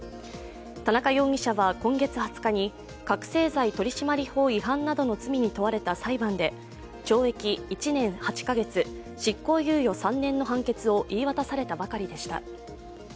田中容疑者は今月２０日に覚醒剤取締法違反などの罪に問われた裁判で懲役１年８カ月執行猶予３年の判決を言い渡されたばかりでした。